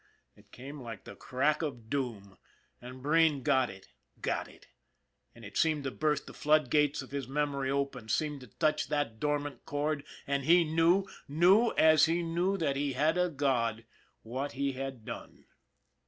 It came like the crack of doom, and Breen got it got it and it seemed to burst the floodgates of his mem ory open, seemed to touch that dormant chord, and he knew, knew as he knew that he had a God, what he had done.